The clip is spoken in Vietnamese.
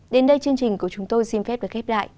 đến đây chương trình của chúng tôi xin phép được khép lại